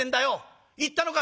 「行ったのか？」。